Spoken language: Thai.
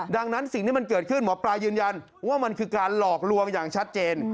ดังนั้นสิ่งที่มันเกิดขึ้นหมอปลายืนยันว่ามันคือการหลอกลวงอย่างชัดเจน